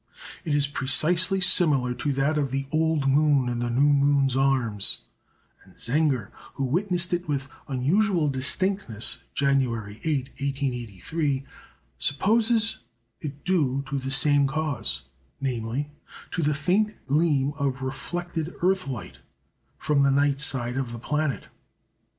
It is precisely similar to that of the "old moon in the new moon's arms"; and Zenger, who witnessed it with unusual distinctness, January 8, 1883, supposes it due to the same cause namely, to the faint gleam of reflected earth light from the night side of the planet.